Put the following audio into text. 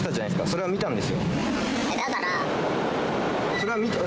それは見たんです。